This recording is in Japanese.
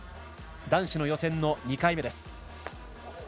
男子の予選２回目です。